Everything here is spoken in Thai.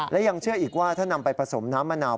และยังเชื่ออีกว่าถ้านำไปผสมน้ำมะนาว